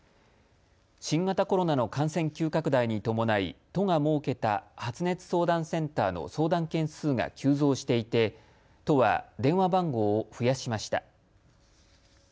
新型コロナの感染急拡大に伴い都が設けた発熱相談センターの相談件数が急増していて、都は電話番号を増やしました。